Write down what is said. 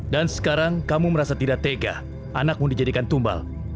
dan sekarang kamu merasa tidak tega anakmu dijadikan tumbal